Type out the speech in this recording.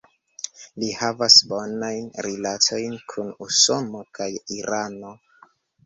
Li havas bonajn rilatojn kun Usono kaj Irano.